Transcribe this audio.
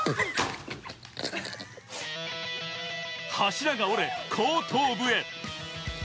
柱が折れ後頭部へ。